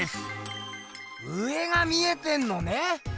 上が見えてんのね！